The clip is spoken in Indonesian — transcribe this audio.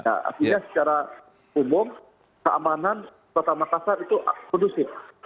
artinya secara umum keamanan kota makassar itu kondusif